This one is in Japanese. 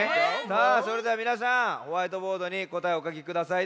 さあそれではみなさんホワイトボードにこたえをおかきください。